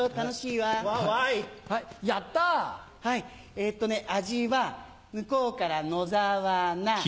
えっとね味は向こうから野沢菜。